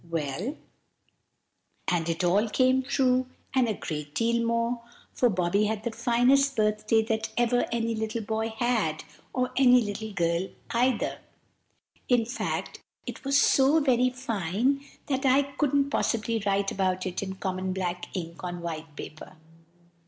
Well, and it all came true, and a great deal more; for Bobby had the finest birthday that ever any little boy had, or any little girl, either. In fact, it was so very fine that I couldn't possibly write about it in common black ink on white paper.